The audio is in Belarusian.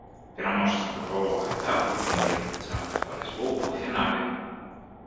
Пераможцы групавога этапу турніру працягнуць барацьбу ў паўфінале.